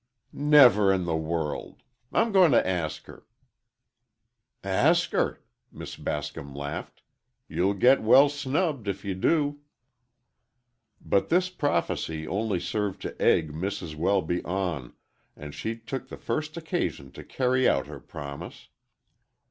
"Never in the world! I'm going to ask her." "Ask her!" Miss Bascom laughed. "You'll get well snubbed if you do." But this prophecy only served to egg Mrs. Welby on, and she took the first occasion to carry out her promise.